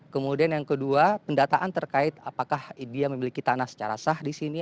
kemudian yang kedua pendataan terkait apakah dia memiliki tanah secara sah di sini